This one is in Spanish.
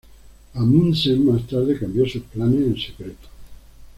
Amundsen más tarde cambió sus planes en secreto.